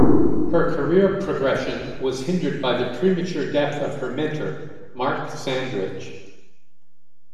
Her career progression was hindered by the premature death of her mentor, Mark Sandrich.